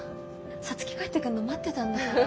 皐月帰ってくんの待ってたんだから。